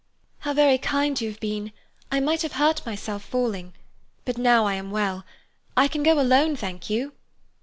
"How very kind you have been! I might have hurt myself falling. But now I am well. I can go alone, thank you."